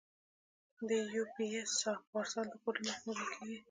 د یو پي ایس پارسل د کوډ له مخې موندل کېږي.